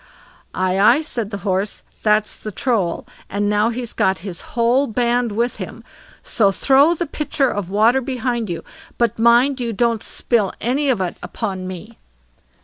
"Aye, aye", said the Horse, "that's the Troll, and now he's got his whole band with him, so throw the pitcher of water behind you, but mind you don't spill any of it upon me."